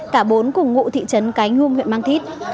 cả bốn cùng ngụ thị trấn cái nhung huyện mang thít